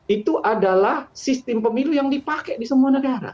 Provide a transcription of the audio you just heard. itu adalah sistem pemilu yang dipakai di semua negara